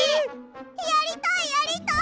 やりたいやりたい！